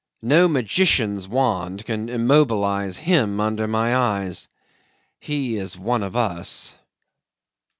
No magician's wand can immobilise him under my eyes. He is one of us.